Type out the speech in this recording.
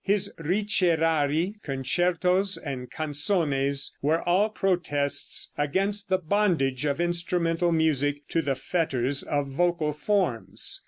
His Ricerari, Concertos and Canzones were all protests against the bondage of instrumental music to the fetters of vocal forms.